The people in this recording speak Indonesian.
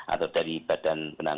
atau dari badan penanggung